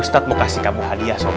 ustadz mau kasih kamu hadiah